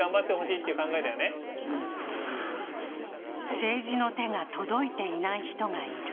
政治の手が届いていない人がいる。